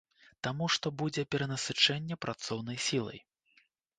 Таму што будзе перанасычэнне працоўнай сілай.